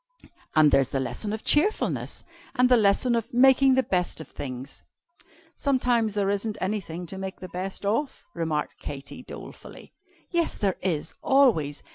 And there's the lesson of Cheerfulness. And the lesson of Making the Best of Things." "Sometimes there isn't anything to make the best of," remarked Katy, dolefully. "Yes there is, always!